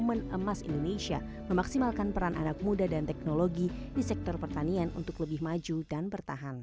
momen emas indonesia memaksimalkan peran anak muda dan teknologi di sektor pertanian untuk lebih maju dan bertahan